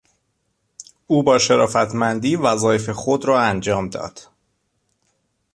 او با شرافتمندی وظایف خود را انجام داد.